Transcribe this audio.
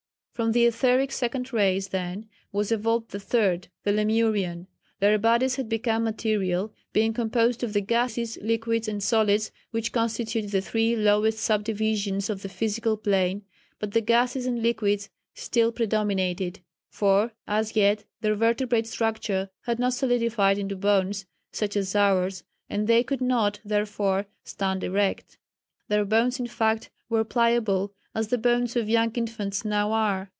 From the Etheric Second Race, then, was evolved the Third the Lemurian. Their bodies had become material, being composed of the gases, liquids and solids which constitute the three lowest sub divisions of the physical plane, but the gases and liquids still predominated, for as yet their vertebrate structure had not solidified into bones such as ours, and they could not, therefore, stand erect. Their bones in fact were pliable as the bones of young infants now are.